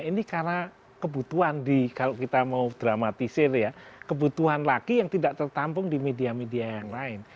ini karena kebutuhan di kalau kita mau dramatisir ya kebutuhan laki yang tidak tertampung di media media yang lain